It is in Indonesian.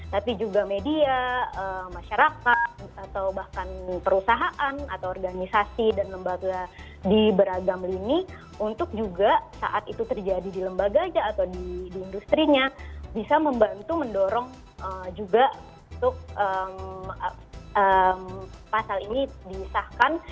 tapi juga media masyarakat atau bahkan perusahaan atau organisasi dan lembaga di beragam lini untuk juga saat itu terjadi di lembaga aja atau di industri nya bisa membantu mendorong juga untuk pasal ini disahkan